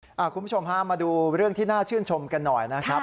คุณผู้ชมฮะมาดูเรื่องที่น่าชื่นชมกันหน่อยนะครับ